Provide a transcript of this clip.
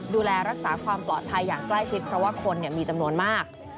ดูแลรักษาความปลอดภัยอย่างใกล้ชิดเพราะว่าคนมีจำนวนมาก